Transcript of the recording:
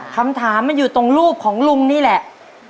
คำถามมันอยู่ตรงรูปของลุงนี่แหละ